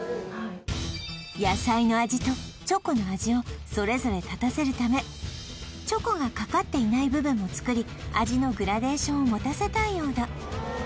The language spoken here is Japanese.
野菜の味とチョコの味をそれぞれ立たせるためチョコがかかっていない部分も作り味のグラデーションを持たせたいようだ